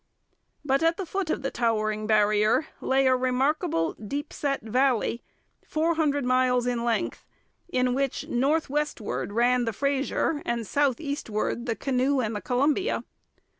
But at the foot of the towering barrier lay a remarkable deep set valley four hundred miles in length, in which northwestward ran the Fraser and southeastward the Canoe and the Columbia.